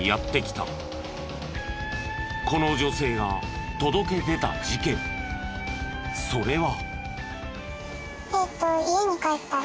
この女性が届け出た事件それは。